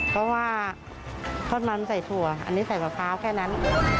เพราะว่าทอดมันใส่ถั่วอันนี้ใส่มะพร้าวแค่นั้น